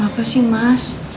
apa sih mas